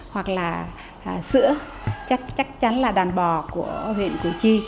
hoặc là sữa chắc chắn là đàn bò của huyện củ chi